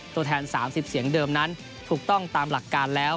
ตัวแทน๓๐เสียงเดิมนั้นถูกต้องตามหลักการแล้ว